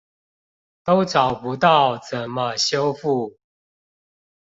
都找不到怎麼修復